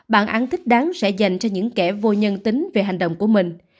bản án thích đáng sẽ dành cho những kẻ vô nhân tính về hành động của mình